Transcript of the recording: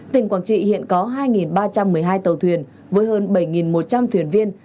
tỉnh quảng trị hiện có hai ba trăm một mươi hai tàu thuyền với hơn bảy một trăm linh thuyền viên